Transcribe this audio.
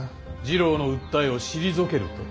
次郎の訴えを退けると。